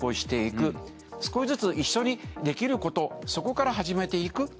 少しずつ一緒にできることそこから始めていく。